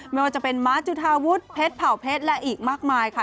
ไม่ว่าจะเป็นม้าจุธาวุฒิเพชรเผ่าเพชรและอีกมากมายค่ะ